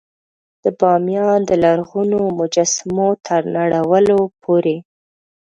د بامیان د لرغونو مجسمو تر نړولو پورې.